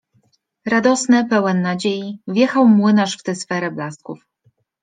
Radosny, pełen nadziei, wjechał młynarz w tę sferę blasków.